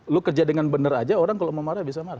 lo kerja dengan benar aja orang kalau mau marah bisa marah